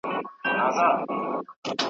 دا وګړي ډېر کړې خدایه خپل بادار ته غزل لیکم ,